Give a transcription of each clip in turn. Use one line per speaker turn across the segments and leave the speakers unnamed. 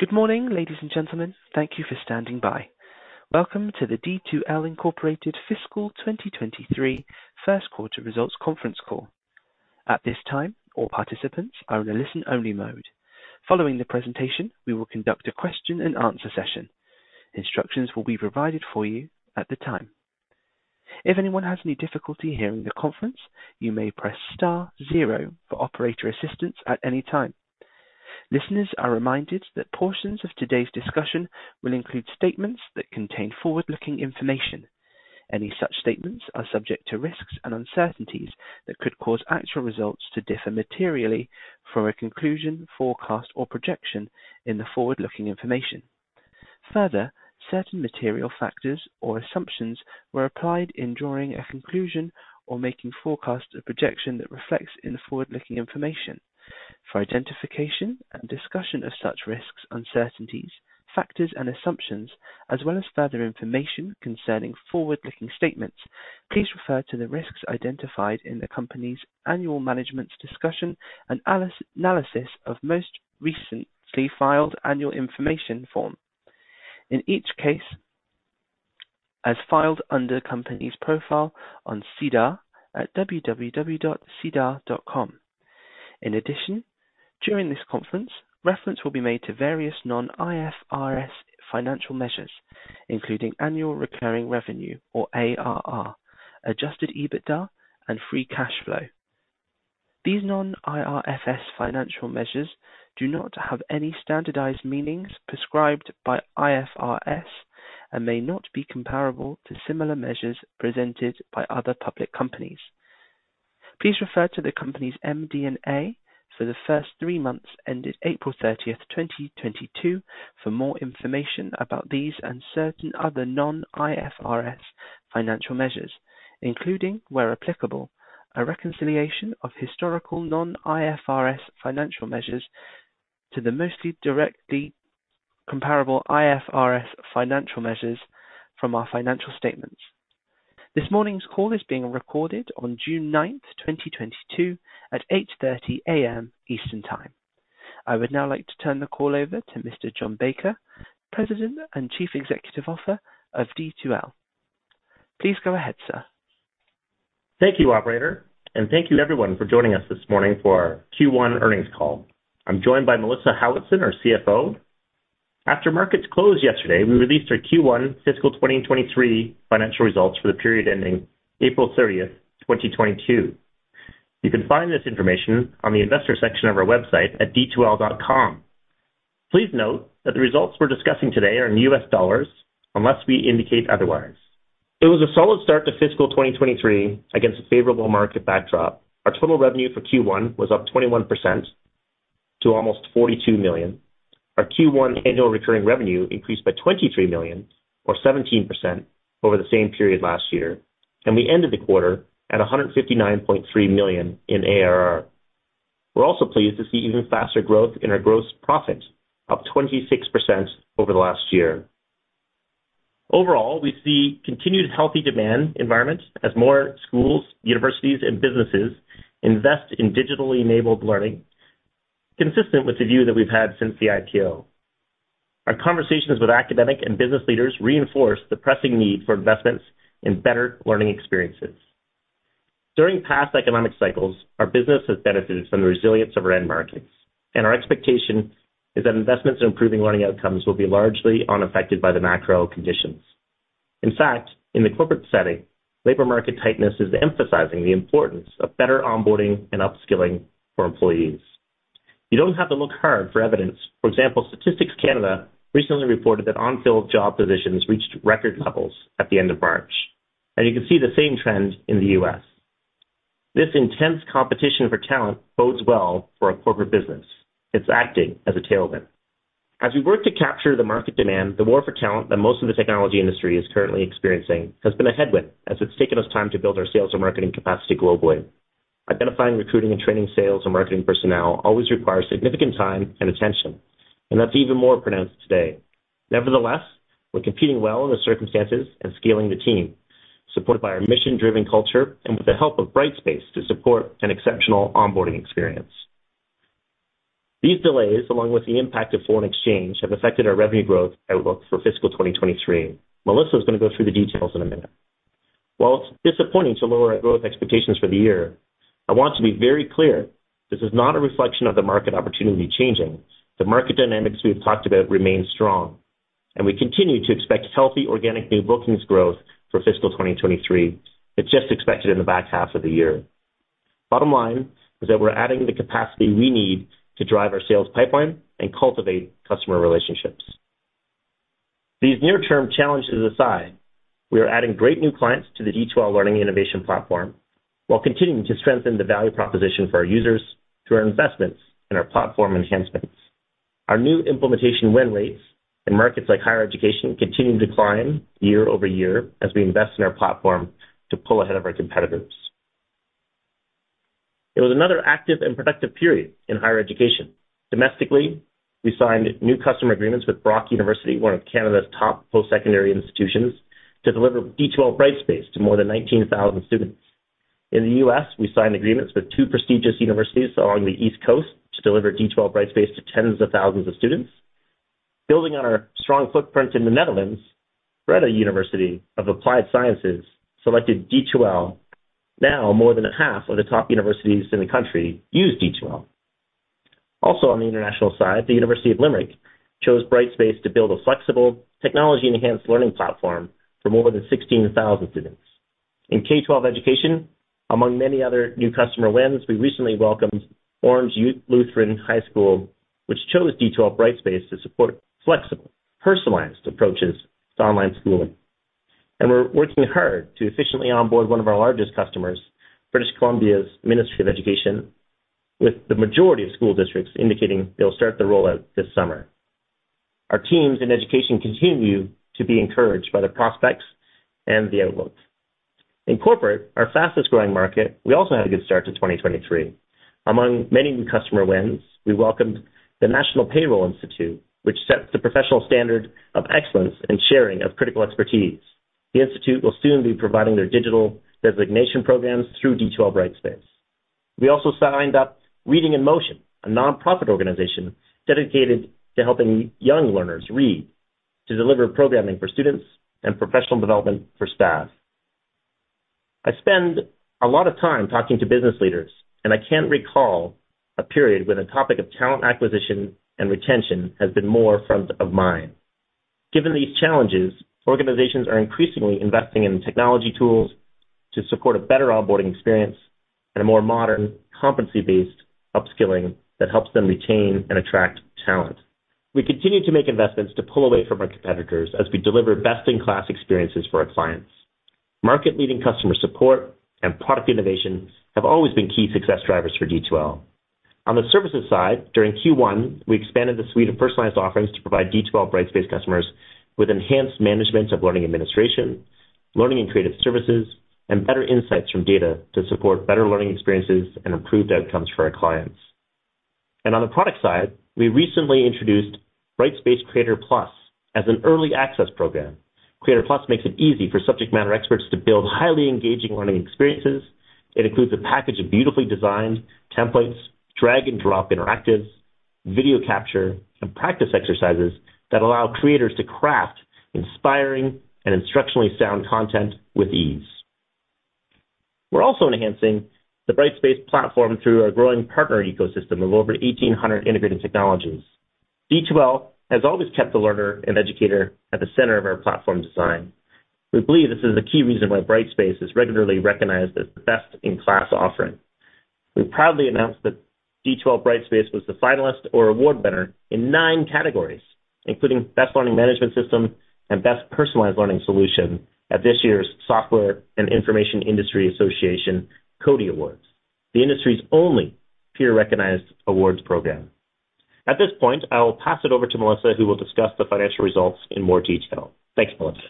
Good morning, ladies and gentlemen. Thank you for standing by. Welcome to the D2L Inc. Fiscal 2023 first quarter results conference call. At this time, all participants are in a listen-only mode. Following the presentation, we will conduct a question-and-answer session. Instructions will be provided for you at the time. If anyone has any difficulty hearing the conference, you may press star zero for operator assistance at any time. Listeners are reminded that portions of today's discussion will include statements that contain forward-looking information. Any such statements are subject to risks and uncertainties that could cause actual results to differ materially from a conclusion, forecast or projection in the forward-looking information. Further, certain material factors or assumptions were applied in drawing a conclusion or making forecasts or projection that reflects in the forward-looking information. For identification and discussion of such risks, uncertainties, factors, and assumptions, as well as further information concerning forward-looking statements, please refer to the risks identified in the company's annual Management's Discussion and Analysis of most recently filed Annual Information Form. In each case, as filed under the company's profile on SEDAR at www.sedar.com. In addition, during this conference, reference will be made to various non-IFRS financial measures, including annual recurring revenue, or ARR, adjusted EBITDA, and free cash flow. These non-IFRS financial measures do not have any standardized meanings prescribed by IFRS and may not be comparable to similar measures presented by other public companies. Please refer to the company's MD&A for the first three months ended April 30th, 2022 for more information about these and certain other non-IFRS financial measures, including, where applicable, a reconciliation of historical non-IFRS financial measures to the most directly comparable IFRS financial measures from our financial statements. This morning's call is being recorded on June 9th, 2022 at 8:30 A.M. Eastern Time. I would now like to turn the call over to Mr. John Baker, President and Chief Executive Officer of D2L. Please go ahead, sir.
Thank you, operator, and thank you everyone for joining us this morning for our Q1 earnings call. I'm joined by Melissa Howatson, our CFO. After markets closed yesterday, we released our Q1 fiscal 2023 financial results for the period ending April 30th, 2022. You can find this information on the investor section of our website at D2L.com. Please note that the results we're discussing today are in US dollars unless we indicate otherwise. It was a solid start to fiscal 2023 against a favorable market backdrop. Our total revenue for Q1 was up 21% to almost $42 million. Our Q1 annual recurring revenue increased by $23 million or 17% over the same period last year, and we ended the quarter at $159.3 million in ARR. We're also pleased to see even faster growth in our gross profit of 26% over the last year. Overall, we see continued healthy demand environment as more schools, universities, and businesses invest in digitally enabled learning, consistent with the view that we've had since the IPO. Our conversations with academic and business leaders reinforce the pressing need for investments in better learning experiences. During past economic cycles, our business has benefited from the resilience of our end markets, and our expectation is that investments in improving learning outcomes will be largely unaffected by the macro conditions. In fact, in the corporate setting, labor market tightness is emphasizing the importance of better onboarding and upskilling for employees. You don't have to look hard for evidence. For example, Statistics Canada recently reported that unfilled job positions reached record levels at the end of March, and you can see the same trend in the U.S. This intense competition for talent bodes well for our corporate business. It's acting as a tailwind. As we work to capture the market demand, the war for talent that most of the technology industry is currently experiencing has been a headwind as it's taken us time to build our sales and marketing capacity globally. Identifying, recruiting, and training sales and marketing personnel always requires significant time and attention, and that's even more pronounced today. Nevertheless, we're competing well in the circumstances and scaling the team, supported by our mission-driven culture and with the help of Brightspace to support an exceptional onboarding experience. These delays, along with the impact of foreign exchange, have affected our revenue growth outlook for fiscal 2023. Melissa is going to go through the details in a minute. While it's disappointing to lower our growth expectations for the year, I want to be very clear this is not a reflection of the market opportunity changing. The market dynamics we have talked about remain strong, and we continue to expect healthy organic new bookings growth for fiscal 2023. It's just expected in the back half of the year. Bottom line is that we're adding the capacity we need to drive our sales pipeline and cultivate customer relationships. These near-term challenges aside, we are adding great new clients to the D2L learning innovation platform while continuing to strengthen the value proposition for our users through our investments in our platform enhancements. Our new implementation win rates in markets like higher education continue to climb year-over-year as we invest in our platform to pull ahead of our competitors. It was another active and productive period in higher education. Domestically, we signed new customer agreements with Brock University, one of Canada's top post-secondary institutions, to deliver D2L Brightspace to more than 19,000 students. In the U.S., we signed agreements with two prestigious universities along the East Coast to deliver D2L Brightspace to tens of thousands of students. Building on our strong footprint in the Netherlands, Breda University of Applied Sciences selected D2L. Now more than half of the top universities in the country use D2L. Also, on the international side, the University of Limerick chose Brightspace to build a flexible technology-enhanced learning platform for more than 16,000 students. In K12 education, among many other new customer wins, we recently welcomed Orange Lutheran High School, which chose D2L Brightspace to support flexible, personalized approaches to online schooling. We're working hard to efficiently onboard one of our largest customers, British Columbia Ministry of Education and Child Care, with the majority of school districts indicating they'll start the rollout this summer. Our teams in education continue to be encouraged by the prospects and the outlooks. In corporate, our fastest-growing market, we also had a good start to 2023. Among many new customer wins, we welcomed the National Payroll Institute, which sets the professional standard of excellence and sharing of critical expertise. The institute will soon be providing their digital designation programs through D2L Brightspace. We also signed up Reading in Motion, a nonprofit organization dedicated to helping young learners read, to deliver programming for students and professional development for staff. I spend a lot of time talking to business leaders, and I can't recall a period when the topic of talent acquisition and retention has been more front of mind. Given these challenges, organizations are increasingly investing in technology tools to support a better onboarding experience and a more modern competency-based upskilling that helps them retain and attract talent. We continue to make investments to pull away from our competitors as we deliver best-in-class experiences for our clients. Market-leading customer support and product innovation have always been key success drivers for D2L. On the services side, during Q1, we expanded the suite of personalized offerings to provide D2L Brightspace customers with enhanced management of learning administration, learning and creative services, and better insights from data to support better learning experiences and improved outcomes for our clients. On the product side, we recently introduced Brightspace Creator+ as an early access program. Creator+ makes it easy for subject matter experts to build highly engaging learning experiences. It includes a package of beautifully designed templates, drag and drop interactives, video capture, and practice exercises that allow creators to craft inspiring and instructionally sound content with ease. We're also enhancing the Brightspace platform through our growing partner ecosystem of over 1,800 integrated technologies. D2L has always kept the learner and educator at the center of our platform design. We believe this is a key reason why Brightspace is regularly recognized as the best-in-class offering. We proudly announced that D2L Brightspace was the finalist or award winner in nine categories, including Best Learning Management System and Best Personalized Learning Solution at this year's Software and Information Industry Association CODiE Awards, the industry's only peer-recognized awards program. At this point, I will pass it over to Melissa, who will discuss the financial results in more detail. Thanks, Melissa.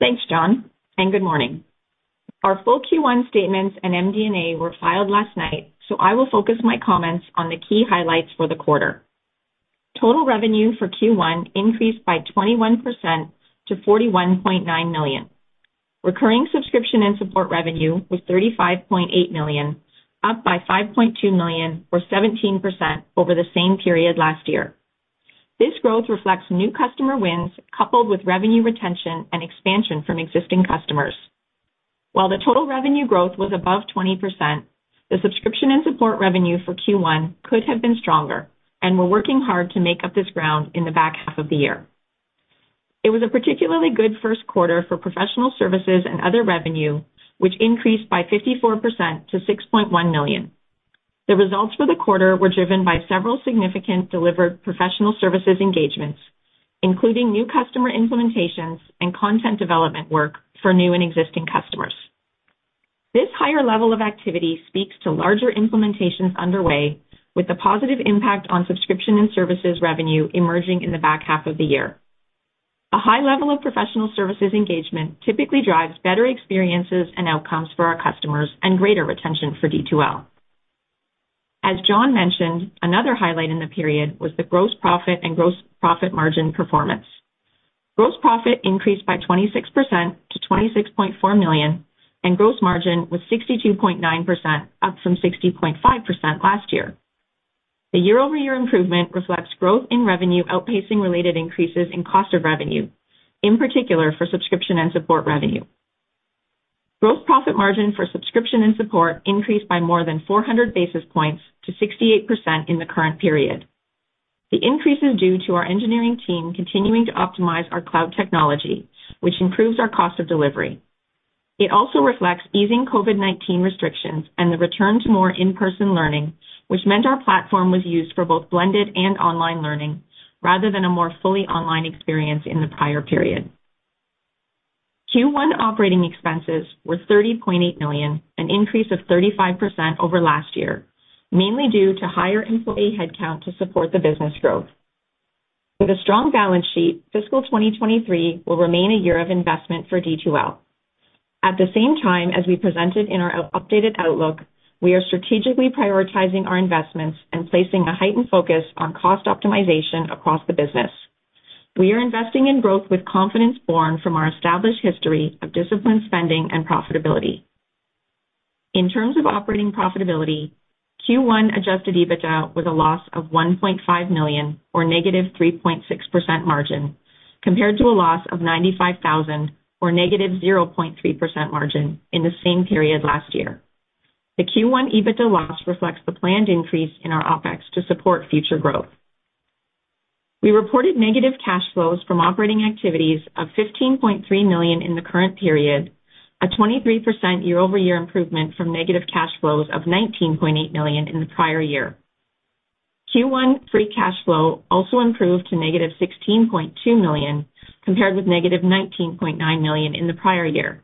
Thanks, John, and good morning. Our full Q1 statements and MD&A were filed last night, so I will focus my comments on the key highlights for the quarter. Total revenue for Q1 increased by 21% to $41.9 million. Recurring subscription and support revenue was $35.8 million, up by $5.2 million or 17% over the same period last year. This growth reflects new customer wins coupled with revenue retention and expansion from existing customers. While the total revenue growth was above 20%, the subscription and support revenue for Q1 could have been stronger and we're working hard to make up this ground in the back half of the year. It was a particularly good first quarter for professional services and other revenue, which increased by 54% to $6.1 million. The results for the quarter were driven by several significant delivered professional services engagements, including new customer implementations and content development work for new and existing customers. This higher level of activity speaks to larger implementations underway with a positive impact on subscription and services revenue emerging in the back half of the year. A high level of professional services engagement typically drives better experiences and outcomes for our customers and greater retention for D2L. As John mentioned, another highlight in the period was the gross profit and gross profit margin performance. Gross profit increased by 26% to $26.4 million, and gross margin was 62.9%, up from 60.5% last year. The year-over-year improvement reflects growth in revenue outpacing related increases in cost of revenue, in particular for subscription and support revenue. Gross profit margin for subscription and support increased by more than 400 basis points to 68% in the current period. The increase is due to our engineering team continuing to optimize our cloud technology, which improves our cost of delivery. It also reflects easing COVID-19 restrictions and the return to more in-person learning, which meant our platform was used for both blended and online learning rather than a more fully online experience in the prior period. Q1 operating expenses were $30.8 million, an increase of 35% over last year, mainly due to higher employee headcount to support the business growth. With a strong balance sheet, fiscal 2023 will remain a year of investment for D2L. At the same time, as we presented in our updated outlook, we are strategically prioritizing our investments and placing a heightened focus on cost optimization across the business. We are investing in growth with confidence born from our established history of disciplined spending and profitability. In terms of operating profitability, Q1 adjusted EBITDA was a loss of $1.5 million or negative 3.6% margin, compared to a loss of $95 thousand or negative 0.3% margin in the same period last year. The Q1 EBITDA loss reflects the planned increase in our OPEX to support future growth. We reported negative cash flows from operating activities of $15.3 million in the current period, a 23% year-over-year improvement from negative cash flows of $19.8 million in the prior year. Q1 free cash flow also improved to -$16.2 million, compared with -$19.9 million in the prior year.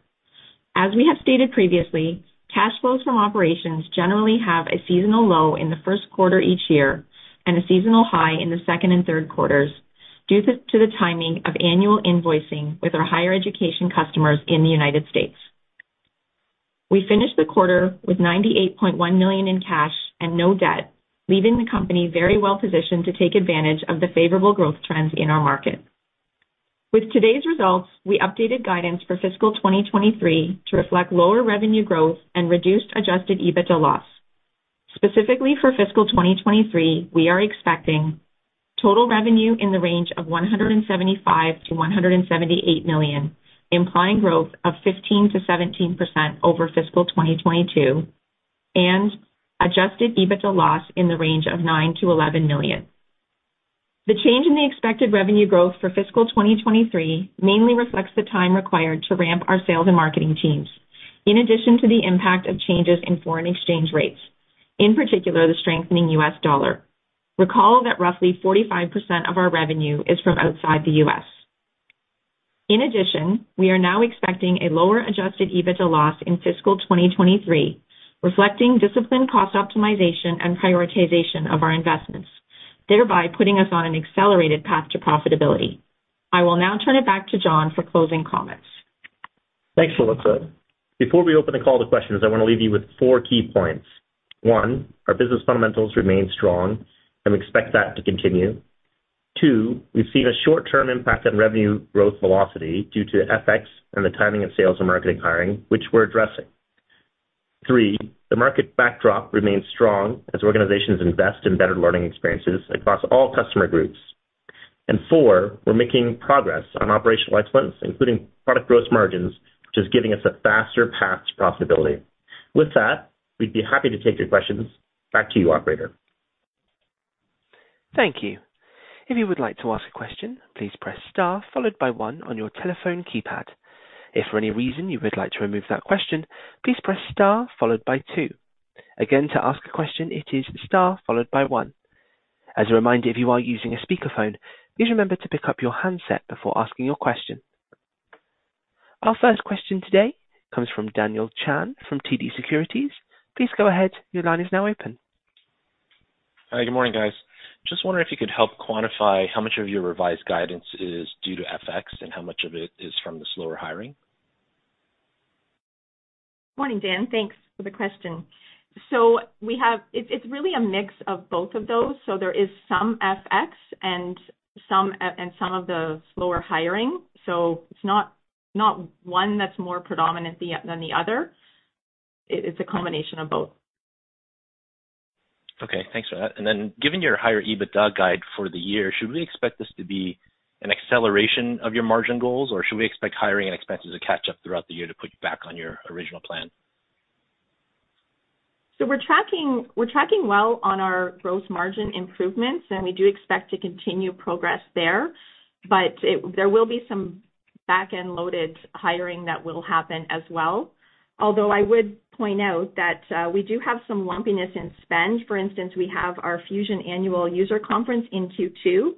As we have stated previously, cash flows from operations generally have a seasonal low in the first quarter each year and a seasonal high in the second and third quarters due to the timing of annual invoicing with our higher education customers in the United States. We finished the quarter with $98.1 million in cash and no debt, leaving the company very well positioned to take advantage of the favorable growth trends in our market. With today's results, we updated guidance for fiscal 2023 to reflect lower revenue growth and reduced adjusted EBITDA loss. Specifically for fiscal 2023, we are expecting total revenue in the range of $175 million-$178 million, implying growth of 15%-17% over fiscal 2022, and adjusted EBITDA loss in the range of $9 million-$11 million. The change in the expected revenue growth for fiscal 2023 mainly reflects the time required to ramp our sales and marketing teams, in addition to the impact of changes in foreign exchange rates, in particular, the strengthening US dollar. Recall that roughly 45% of our revenue is from outside the US. In addition, we are now expecting a lower adjusted EBITDA loss in fiscal 2023, reflecting disciplined cost optimization and prioritization of our investments, thereby putting us on an accelerated path to profitability. I will now turn it back to John for closing comments.
Thanks, Melissa. Before we open the call to questions, I want to leave you with four key points. One, our business fundamentals remain strong, and we expect that to continue. Two, we've seen a short-term impact on revenue growth velocity due to FX and the timing of sales and marketing hiring, which we're addressing. Three, the market backdrop remains strong as organizations invest in better learning experiences across all customer groups. Four, we're making progress on operational excellence, including product gross margins, which is giving us a faster path to profitability. With that, we'd be happy to take your questions. Back to you, operator.
Thank you. If you would like to ask a question, please press star followed by one on your telephone keypad. If for any reason you would like to remove that question, please press star followed by two. Again, to ask a question, it is star followed by one. As a reminder, if you are using a speakerphone, please remember to pick up your handset before asking your question. Our first question today comes from Daniel Chan from TD Securities. Please go ahead. Your line is now open.
Hi. Good morning, guys. Just wondering if you could help quantify how much of your revised guidance is due to FX and how much of it is from the slower hiring?
Morning, Dan. Thanks for the question. It's really a mix of both of those. There is some FX and some of the slower hiring. It's not one that's more predominant than the other. It's a combination of both.
Okay. Thanks for that. Given your higher EBITDA guide for the year, should we expect this to be an acceleration of your margin goals, or should we expect hiring and expenses to catch up throughout the year to put you back on your original plan?
We're tracking well on our gross margin improvements, and we do expect to continue progress there. But there will be some back-end loaded hiring that will happen as well. Although I would point out that we do have some lumpiness in spend. For instance, we have our Fusion annual user conference in Q2,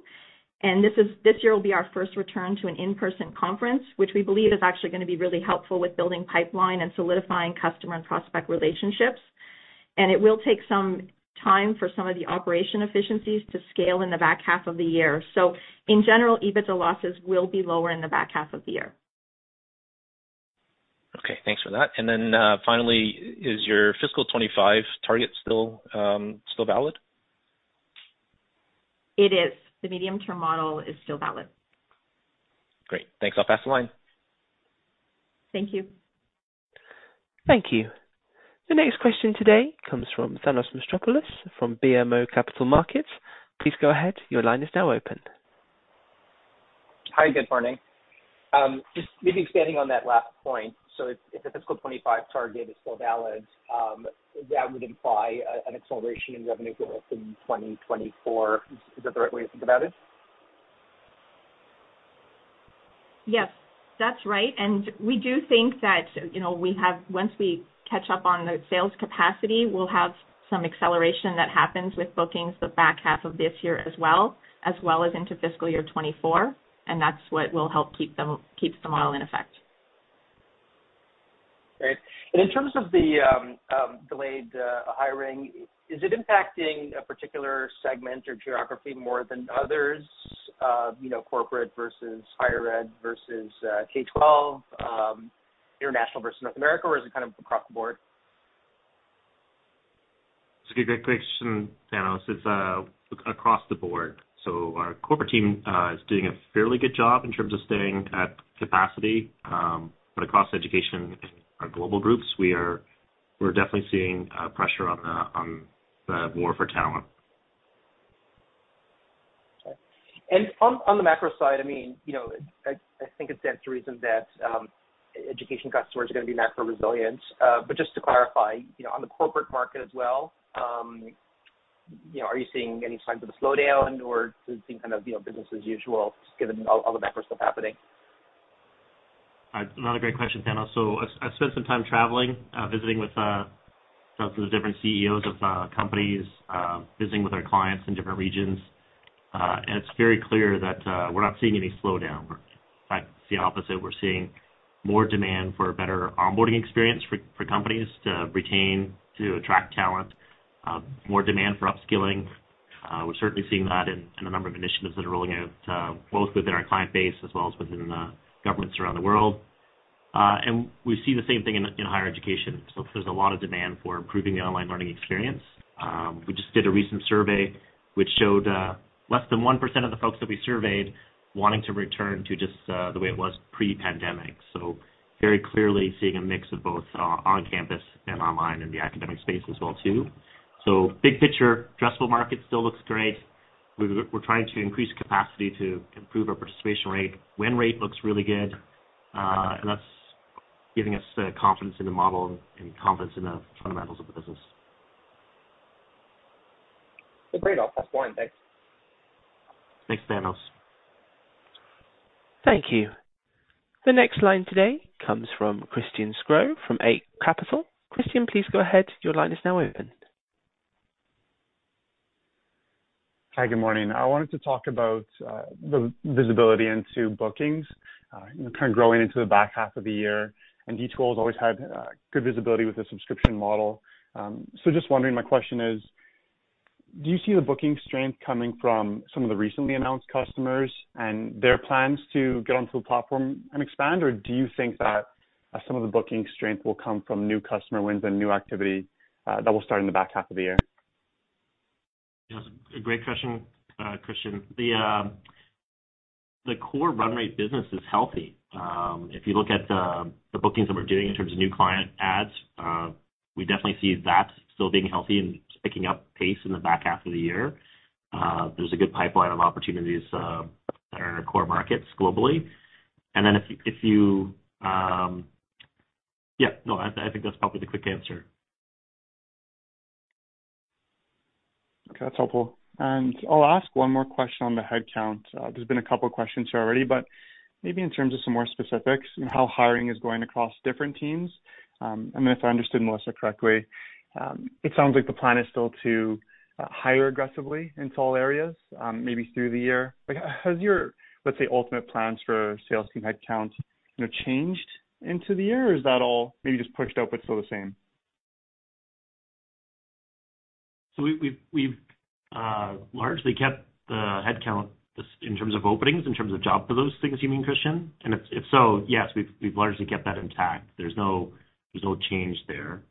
and this year will be our first return to an in-person conference, which we believe is actually gonna be really helpful with building pipeline and solidifying customer and prospect relationships. It will take some time for some of the operational efficiencies to scale in the back half of the year. In general, EBITDA losses will be lower in the back half of the year.
Okay, thanks for that. Finally, is your fiscal 2025 target still valid?
It is. The medium-term model is still valid.
Great. Thanks. I'll pass the line.
Thank you.
Thank you. The next question today comes from Thanos Moschopoulos from BMO Capital Markets. Please go ahead. Your line is now open.
Hi, good morning. Just maybe expanding on that last point. If the fiscal 2025 target is still valid, that would imply an acceleration in revenue growth in 2024. Is that the right way to think about it?
Yes, that's right. We do think that, you know, we have, once we catch up on the sales capacity, we'll have some acceleration that happens with bookings in the back half of this year as well, as well as into fiscal year 2024, and that's what will help keep the model in effect.
Great. In terms of the delayed hiring, is it impacting a particular segment or geography more than others? You know, corporate versus higher ed versus K-12, international versus North America, or is it kind of across the board?
It's a great question, Thanos. It's across the board. Our corporate team is doing a fairly good job in terms of staying at capacity. Across education and our global groups, we're definitely seeing pressure on the war for talent.
Okay. On the macro side, I mean, you know, I think it stands to reason that education customers are gonna be macro resilient. But just to clarify, you know, on the corporate market as well, you know, are you seeing any signs of a slowdown or is it kind of, you know, business as usual given all the macro stuff happening?
Another great question, Thanos. I spent some time traveling, visiting with some of the different CEOs of companies, visiting with our clients in different regions. It's very clear that we're not seeing any slowdown. In fact, the opposite. We're seeing more demand for better onboarding experience for companies to retain, to attract talent, more demand for upskilling. We're certainly seeing that in a number of initiatives that are rolling out both within our client base as well as within governments around the world. We see the same thing in higher education. There's a lot of demand for improving the online learning experience. We just did a recent survey which showed less than 1% of the folks that we surveyed wanting to return to just the way it was pre-pandemic. Very clearly seeing a mix of both on campus and online in the academic space as well too. Big picture, addressable market still looks great. We're trying to increase capacity to improve our participation rate. Win rate looks really good, and that's giving us the confidence in the model and confidence in the fundamentals of the business.
Great. I'll pass the line. Thanks.
Thanks, Thanos.
Thank you. The next line today comes from Christian Sgro from Eight Capital. Christian, please go ahead. Your line is now open.
Hi, good morning. I wanted to talk about the visibility into bookings, you know, kind of growing into the back half of the year. D2L's always had good visibility with the subscription model. Just wondering, my question is, do you see the booking strength coming from some of the recently announced customers and their plans to get onto the platform and expand? Or do you think that some of the booking strength will come from new customer wins and new activity that will start in the back half of the year?
Yes. A great question, Christian. The core run rate business is healthy. If you look at the bookings that we're doing in terms of new client adds, we definitely see that still being healthy and picking up pace in the back half of the year. There's a good pipeline of opportunities that are in our core markets globally. Yeah, no, I think that's probably the quick answer.
Okay, that's helpful. I'll ask one more question on the headcount. There's been a couple of questions here already, but maybe in terms of some more specifics, you know, how hiring is going across different teams. I mean, if I understood Melissa correctly, it sounds like the plan is still to hire aggressively into all areas, maybe through the year. Like, has your, let's say, ultimate plans for sales team headcount, you know, changed into the year? Or is that all maybe just pushed out, but still the same?
We've largely kept the headcount just in terms of openings, in terms of job queues things you mean, Christian? If so, yes, we've largely kept that intact. There's no change there.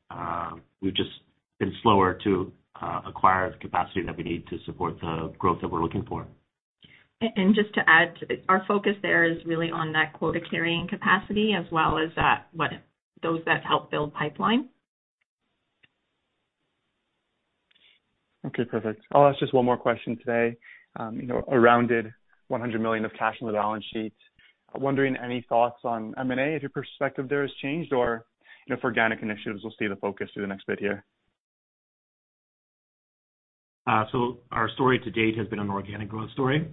We've just been slower to acquire the capacity that we need to support the growth that we're looking for.
Just to add, our focus there is really on that quota-carrying capacity as well as that, what those that help build pipeline.
Okay, perfect. I'll ask just one more question today. You know, a rounded 100 million of cash on the balance sheet. Wondering any thoughts on M&A, if your perspective there has changed or, you know, if organic initiatives will see the focus through the next bit here.
Our story to date has been an organic growth story.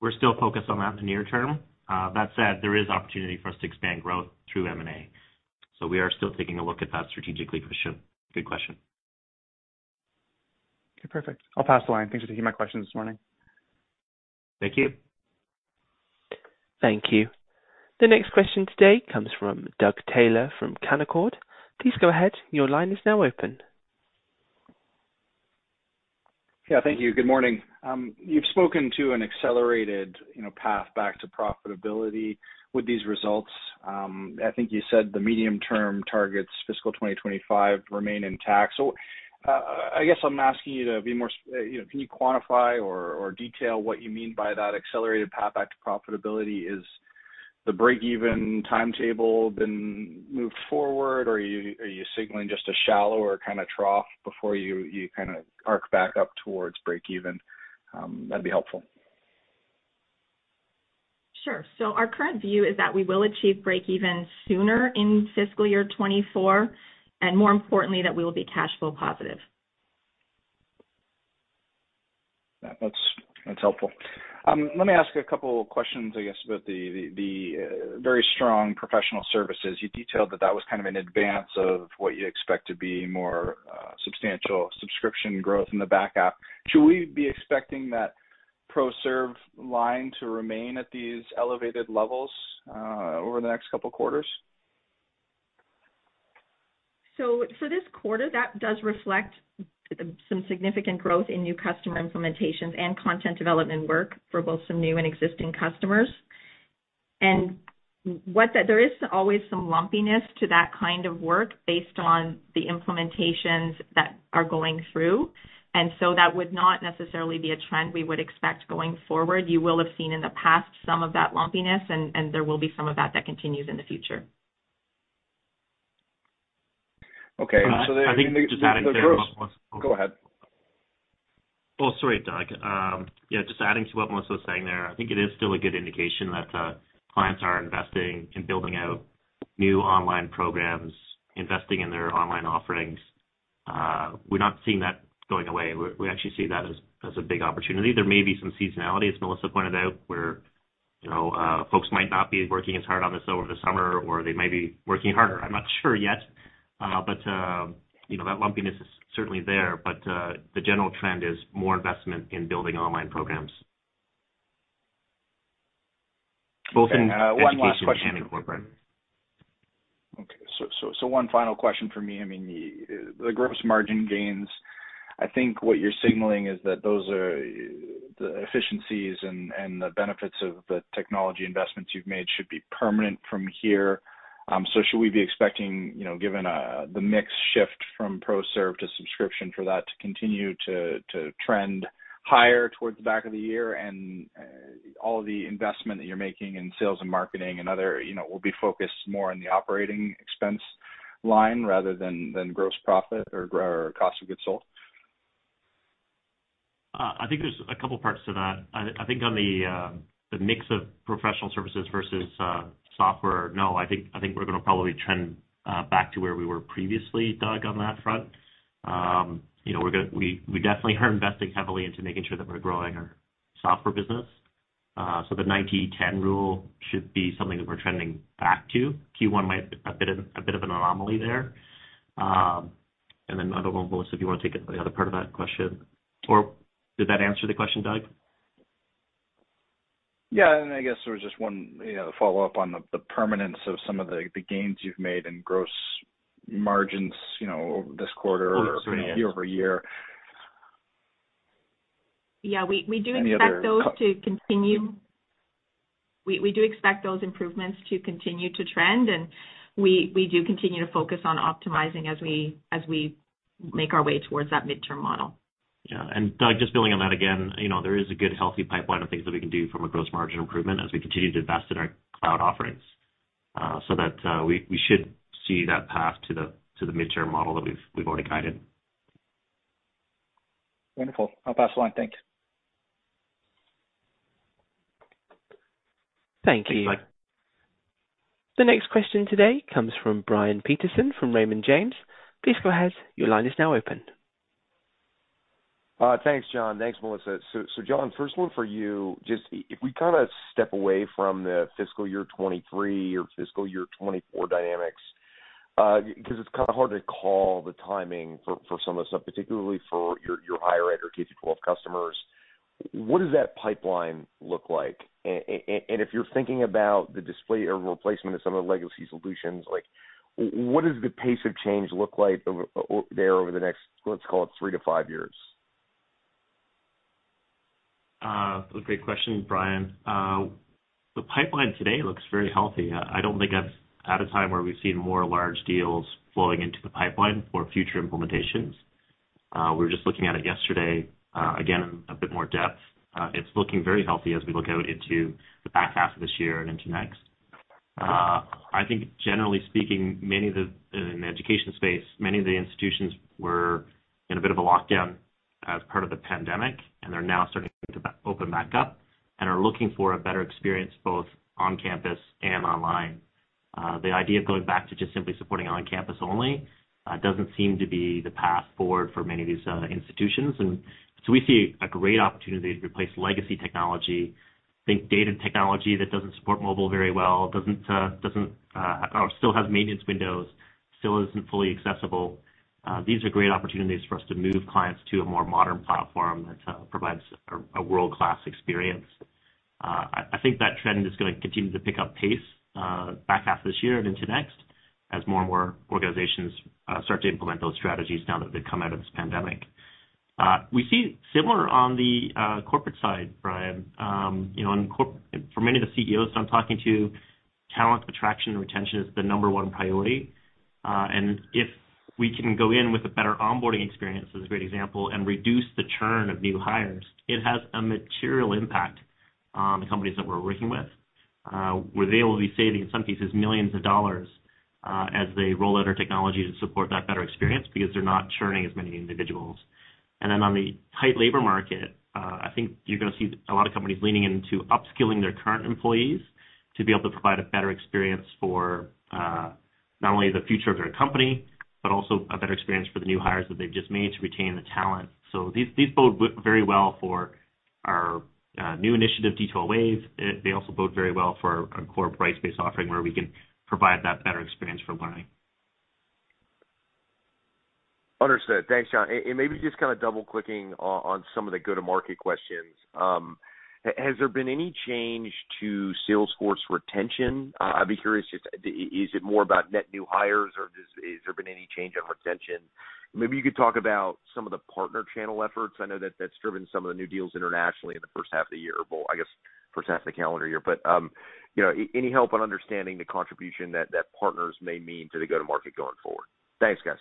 We're still focused on that in the near term. That said, there is opportunity for us to expand growth through M&A. We are still taking a look at that strategically, Christian. Good question.
Okay, perfect. I'll pass the line. Thanks for taking my questions this morning.
Thank you.
Thank you. The next question today comes from Doug Taylor from Canaccord Genuity. Please go ahead. Your line is now open.
Yeah. Thank you. Good morning. You've spoken to an accelerated, you know, path back to profitability with these results. I think you said the medium-term targets fiscal 2025 remain intact. I guess I'm asking you know, can you quantify or detail what you mean by that accelerated path back to profitability? Is the break even timetable been moved forward, or are you signaling just a shallower kinda trough before you kinda arc back up towards break even? That'd be helpful.
Sure. Our current view is that we will achieve break even sooner in fiscal year 2024, and more importantly, that we will be cash flow positive.
That's helpful. Let me ask a couple questions, I guess, about the very strong professional services. You detailed that was kind of in advance of what you expect to be more substantial subscription growth in the back half. Should we be expecting that pro serve line to remain at these elevated levels over the next couple quarters?
For this quarter, that does reflect some significant growth in new customer implementations and content development work for both some new and existing customers. There is always some lumpiness to that kind of work based on the implementations that are going through. That would not necessarily be a trend we would expect going forward. You will have seen in the past some of that lumpiness, and there will be some of that that continues in the future.
Okay.
I think just adding to what Melissa.
Go ahead.
Oh, sorry, Doug. Yeah, just adding to what Melissa was saying there. I think it is still a good indication that clients are investing in building out new online programs, investing in their online offerings. We're not seeing that going away. We actually see that as a big opportunity. There may be some seasonality, as Melissa pointed out, where you know folks might not be working as hard on this over the summer, or they may be working harder. I'm not sure yet. You know that lumpiness is certainly there, but the general trend is more investment in building online programs. Both in-
Okay. One last question.
Education and in corporate.
Okay. One final question from me. I mean, the gross margin gains, I think what you're signaling is that those are the efficiencies and the benefits of the technology investments you've made should be permanent from here. Should we be expecting, you know, given the mix shift from pro serve to subscription for that to continue to trend higher towards the back of the year, and all the investment that you're making in sales and marketing and other, you know, will be focused more on the operating expense line rather than gross profit or cost of goods sold?
I think there's a couple parts to that. I think on the mix of professional services versus software. No, I think we're gonna probably trend back to where we were previously, Doug, on that front. You know, we definitely are investing heavily into making sure that we're growing our software business. The 90-10 rule should be something that we're trending back to. Q1 might have been a bit of an anomaly there. I don't know, Melissa, if you want to take the other part of that question or did that answer the question, Doug?
Yeah. I guess there was just one, you know, follow-up on the permanence of some of the gains you've made in gross margins, you know, over this quarter or year-over-year.
Oh, sure. Yeah.
Yeah. We do expect-
Any other-
Those to continue. We do expect those improvements to continue to trend, and we do continue to focus on optimizing as we make our way towards that midterm model.
Yeah. Doug, just building on that again, you know, there is a good, healthy pipeline of things that we can do from a gross margin improvement as we continue to invest in our cloud offerings, so that we should see that path to the mid-term model that we've already guided.
Wonderful. I'll pass the line. Thank you.
Thanks, Doug.
Thank you. The next question today comes from Brian Peterson from Raymond James. Please go ahead. Your line is now open.
Thanks, John. Thanks, Melissa. John, first one for you. If we step away from the fiscal year 2023 or fiscal year 2024 dynamics, because it's kind of hard to call the timing for some of the stuff, particularly for your higher ed or K-12 customers, what does that pipeline look like? And if you're thinking about the displacement or replacement of some of the legacy solutions, like what does the pace of change look like over there over the next, let's call it three to five years?
That's a great question, Brian. The pipeline today looks very healthy. I don't think I've had a time where we've seen more large deals flowing into the pipeline for future implementations. We were just looking at it yesterday, again in a bit more depth. It's looking very healthy as we look out into the back half of this year and into next. I think generally speaking, many of the institutions in the education space were in a bit of a lockdown as part of the pandemic, and they're now starting to open back up and are looking for a better experience both on campus and online. The idea of going back to just simply supporting on campus only doesn't seem to be the path forward for many of these institutions. We see a great opportunity to replace legacy technology, think dated technology that doesn't support mobile very well, or still has maintenance windows, still isn't fully accessible. These are great opportunities for us to move clients to a more modern platform that provides a world-class experience. I think that trend is gonna continue to pick up pace, back half of this year and into next as more and more organizations start to implement those strategies now that they've come out of this pandemic. We see similar on the corporate side, Brian. You know, for many of the CEOs I'm talking to, talent attraction and retention is the number one priority. If we can go in with a better onboarding experience, as a great example, and reduce the churn of new hires, it has a material impact on the companies that we're working with, where they will be saving, in some cases, millions dollars, as they roll out our technology to support that better experience because they're not churning as many individuals. On the tight labor market, I think you're gonna see a lot of companies leaning into upskilling their current employees to be able to provide a better experience for, not only the future of their company, but also a better experience for the new hires that they've just made to retain the talent. These bode very well for our new initiative, D2L Wave. They also bode very well for our core Brightspace offering, where we can provide that better experience for learning.
Understood. Thanks, John. Maybe just kind of double-clicking on some of the go-to-market questions. Has there been any change to Salesforce retention? I'd be curious if, is it more about net new hires, or has there been any change on retention? Maybe you could talk about some of the partner channel efforts. I know that that's driven some of the new deals internationally in the first half of the year. Well, I guess first half of the calendar year. You know, any help on understanding the contribution that partners may mean to the go-to-market going forward? Thanks, guys.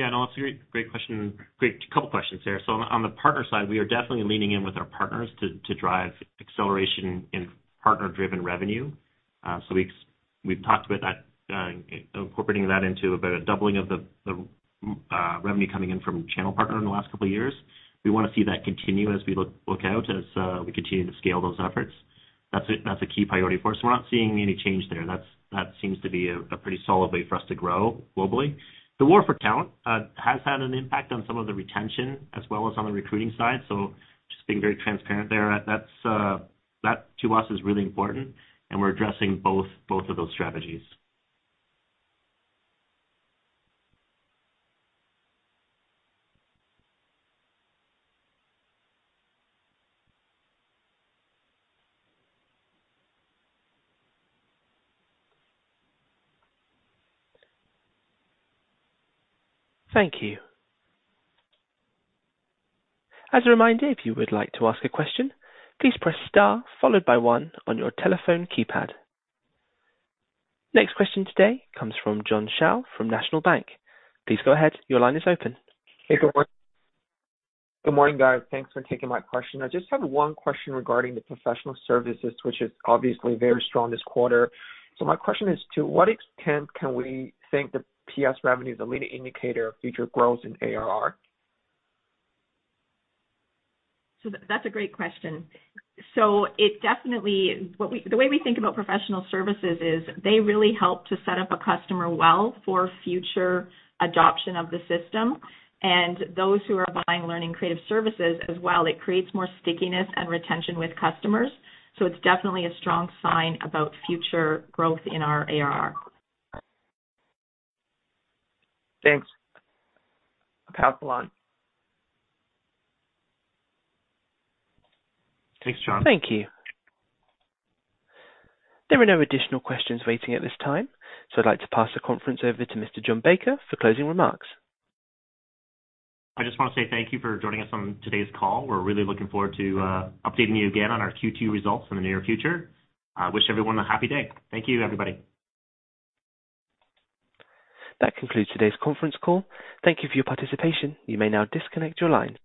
Yeah, no, it's a great question. Great couple questions there. On the partner side, we are definitely leaning in with our partners to drive acceleration in partner-driven revenue. We've talked about that, incorporating that into about a doubling of the revenue coming in from channel partner in the last couple of years. We want to see that continue as we look out, as we continue to scale those efforts. That's a key priority for us. We're not seeing any change there. That seems to be a pretty solid way for us to grow globally. The war for talent has had an impact on some of the retention as well as on the recruiting side. Just being very transparent there. That's that to us is really important and we're addressing both of those strategies.
Thank you. As a reminder, if you would like to ask a question, please press star followed by one on your telephone keypad. Next question today comes from John Shao from National Bank. Please go ahead. Your line is open.
Good morning, guys. Thanks for taking my question. I just have one question regarding the professional services, which is obviously very strong this quarter. My question is, to what extent can we think the PS revenue is a leading indicator of future growth in ARR?
That's a great question. It definitely. The way we think about professional services is they really help to set up a customer well for future adoption of the system and those who are buying learning creative services as well. It creates more stickiness and retention with customers, so it's definitely a strong sign about future growth in our ARR.
Thanks. I'll pass along.
Thanks, John.
Thank you. There are no additional questions waiting at this time, so I'd like to pass the conference over to Mr. John Baker for closing remarks.
I just wanna say thank you for joining us on today's call. We're really looking forward to updating you again on our Q2 results in the near future. I wish everyone a happy day. Thank you, everybody.
That concludes today's conference call. Thank you for your participation. You may now disconnect your line.